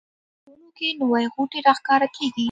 په ونو کې نوې غوټۍ راښکاره کیږي